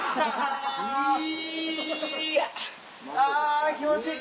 あぁ気持ちいい！